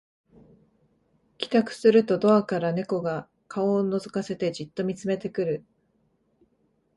帰宅するとドアから猫が顔をのぞかせてじっと見つめてくる